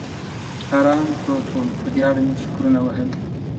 ارام پروت ووم، په دې اړه مې فکرونه وهل.